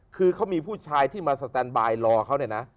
คือเขามีผู้ชายที่มาสแตนบายรอเขาเนี่ยนะ